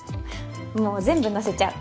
もう全部のせちゃう。